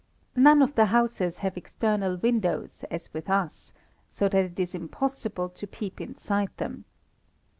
None of the houses have external windows, as with us, so that it is impossible to peep inside them.